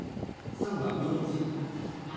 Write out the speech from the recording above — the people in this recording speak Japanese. ３番ウーロン茶。